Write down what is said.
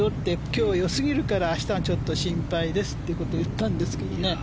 今日、よすぎるから明日がちょっと心配ですということを言ったんですけどね。